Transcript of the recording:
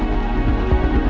tidak ada yang bisa dipercaya